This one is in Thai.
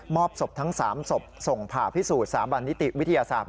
อบศพทั้ง๓ศพส่งผ่าพิสูจนสถาบันนิติวิทยาศาสตร์